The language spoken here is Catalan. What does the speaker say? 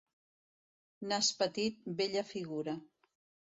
Nas petit, bella figura.